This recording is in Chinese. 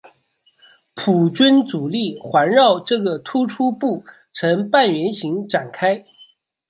普军主力环绕这个突出部成半圆形展开。